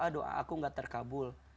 doa aku gak terkabul